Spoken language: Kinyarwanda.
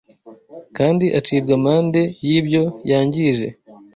kandi acibwa amande yibyo yangije